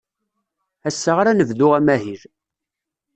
Ass-a ara nebdu amahil.